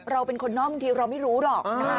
เราเป็นคนนอกบางทีเราไม่รู้หรอก